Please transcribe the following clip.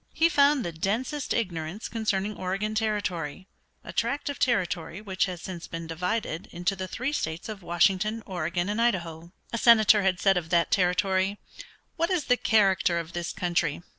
He found the densest ignorance concerning Oregon Territory, a tract of territory which has since been divided into the three states of Washington, Oregon, and Idaho. A senator had said of that territory, "What is the character of this country?